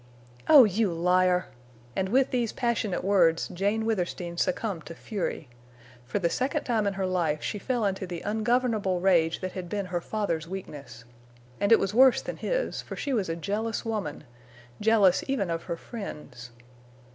"Oh, you liar!" And with these passionate words Jane Withersteen succumbed to fury. For the second time in her life she fell into the ungovernable rage that had been her father's weakness. And it was worse than his, for she was a jealous woman—jealous even of her friends.